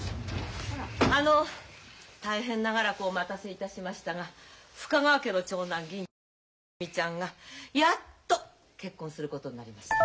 あの大変長らくお待たせいたしましたが深川家の長男銀次さんと芳美ちゃんがやっと結婚することになりました。